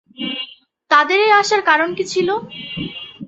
তাঁদের এ আসার কারণ কী ছিল?